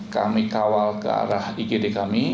kami kawal ke arah igd kami